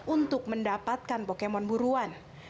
untuk mendapatkan pokemon buruan